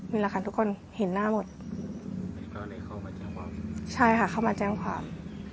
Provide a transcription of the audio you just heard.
มีหลักฐานทุกคนเห็นหน้าหมดใช่ค่ะเข้ามาแจ้งความ